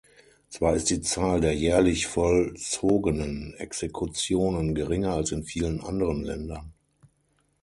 Zwar ist die Zahl der jährlich vollzogenen Exekutionen geringer als in vielen anderen Ländern.